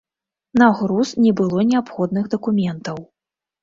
На груз не было неабходных дакументаў.